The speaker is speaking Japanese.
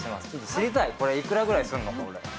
知りたい、これ、いくらぐらいするのか。